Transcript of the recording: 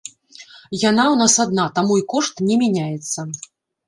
Яна ў нас адна, таму і кошт не мяняецца.